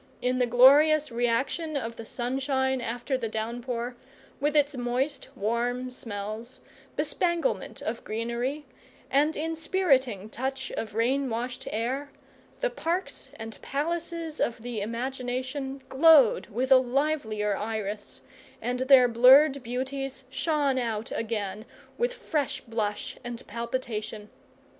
In the glorious reaction of the sunshine after the downpour, with its moist warm smells, bespanglement of greenery, and inspiriting touch of rain washed air, the parks and palaces of the imagination glowed with a livelier iris, and their blurred beauties shone out again with fresh blush and palpitation.